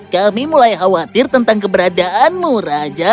kami mulai khawatir tentang keberadaanmu raja